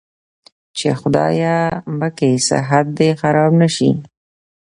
چې خدايه مکې صحت دې خراب نه شي.